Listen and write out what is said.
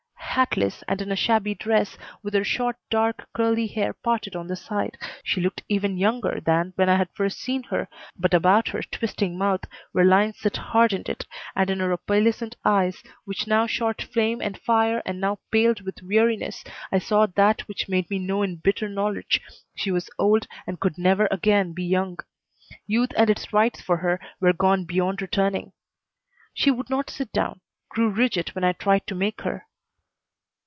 Hatless, and in a shabby dress, with her short, dark, curly hair parted on the side, she looked even younger than when I had first seen her, but about her twisting mouth were lines that hardened it, and in her opalescent eyes, which now shot flame and fire and now paled with weariness, I saw that which made me know in bitter knowledge she was old and could never again be young. Youth and its rights for her were gone beyond returning. She would not sit down; grew rigid when I tried to make her.